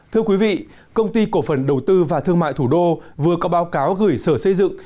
thưa quý vị công ty cổ phần đầu tư và thương mại thủ đô vừa có báo cáo gửi sở xây dựng